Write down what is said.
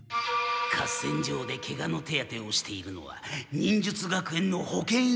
合戦場でケガの手当てをしているのは忍術学園の保健委員だ。